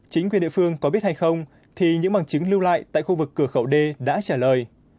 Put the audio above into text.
chính quyền địa phương có biết hay không thì những bằng chứng lưu lại tại khu vực cửa khẩu d đã trả lời